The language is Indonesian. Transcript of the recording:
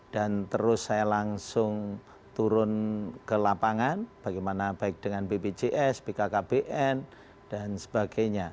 dan terus saya langsung turun ke lapangan bagaimana baik dengan bpjs bkkbn dan sebagainya